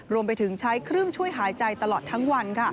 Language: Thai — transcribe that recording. รวมไปถึงใช้เครื่องช่วยหายใจตลอดทั้งวัน